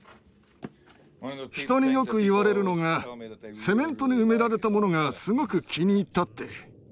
人によく言われるのがセメントに埋められたものがすごく気に入ったって。